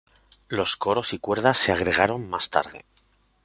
Los coros y cuerdas se agregaron más tarde.